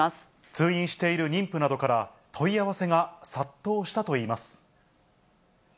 通院している妊婦などから、問い合わせが殺到したといいます。